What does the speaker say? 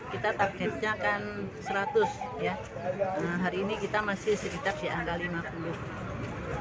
kita targetnya kan seratus ya hari ini kita masih sekitar di angka lima puluh